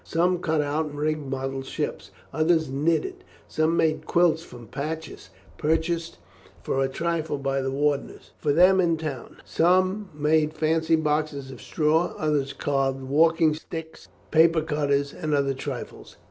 Some cut out and rigged model ships, others knitted, some made quilts from patches purchased for a trifle by the warders for them in the town, some made fancy boxes of straw, others carved walking sticks, paper cutters, and other trifles.